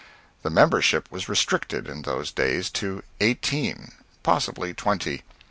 The membership was restricted, in those days, to eighteen possibly twenty.